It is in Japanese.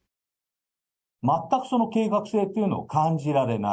全く計画性というのを感じられない。